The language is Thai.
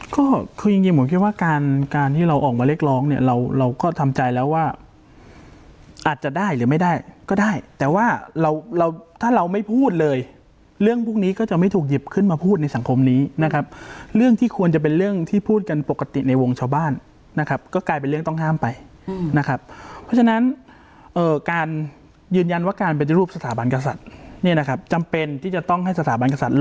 ก็คือยังไงผมคิดว่าการที่เราออกมาเรียกร้องเนี่ยเราก็ทำใจแล้วว่าอาจจะได้หรือไม่ได้ก็ได้แต่ว่าเราถ้าเราไม่พูดเลยเรื่องพวกนี้ก็จะไม่ถูกหยิบขึ้นมาพูดในสังคมนี้นะครับเรื่องที่ควรจะเป็นเรื่องที่พูดกันปกติในวงชาวบ้านนะครับก็กลายเป็นเรื่องต้องห้ามไปนะครับเพราะฉะนั้นการยืนยันว่าการเป็นรูปสถาบันกษัต